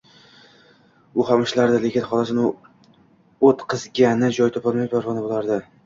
U ham ishlardi, lekin xolasini o`tqizgani joy topolmay parvona bo`lardi